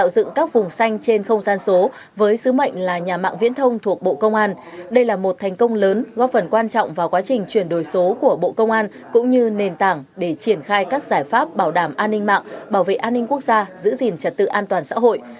dựng các vùng xanh trên không gian số với sứ mệnh là nhà mạng viễn thông thuộc bộ công an đây là một thành công lớn góp phần quan trọng vào quá trình chuyển đổi số của bộ công an cũng như nền tảng để triển khai các giải pháp bảo đảm an ninh mạng bảo vệ an ninh quốc gia giữ gìn trật tự an toàn xã hội